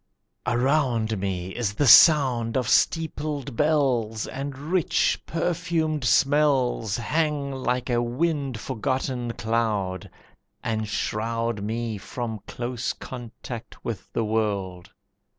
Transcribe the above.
Around me is the sound of steepled bells, And rich perfumed smells Hang like a wind forgotten cloud, And shroud Me from close contact with the world.